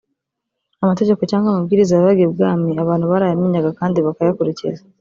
Amategeko cyangwa amabwiriza yavaga i Bwami abantu barayamenyaga kandi bakayakurikiza